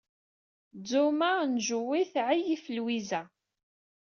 Tzumma n Joe tesɛiyef Louisa.